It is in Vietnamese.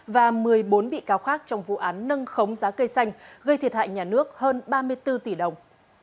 và một mươi bốn bị cáo khác trong vụ án nâng khống giá cây xanh gây thiệt hại nhà nước hơn ba mươi bốn tỷ đồng